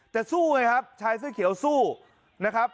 แต่สู้ไงครับชายเสื้อเขียวสู้นะครับ